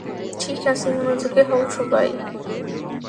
ঠিক আছে, মনোযোগী হও সবাই।